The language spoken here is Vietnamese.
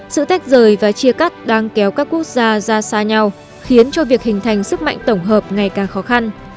sự tách rời và chia cắt đang kéo các quốc gia ra xa nhau khiến cho việc hình thành sức mạnh tổng hợp ngày càng khó khăn